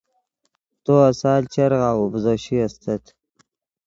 تو آسال چر غاوؤ ڤزوشے استت